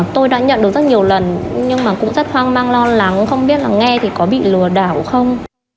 tôi đã nhận được rất nhiều lần nhưng mà cũng rất hoang mang lo lắng không biết là nghe thì có bị lừa đảo không